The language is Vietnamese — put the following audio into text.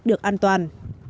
được an toàn